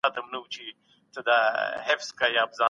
په مدرسو کي بايد ساينس هم تدريس سي.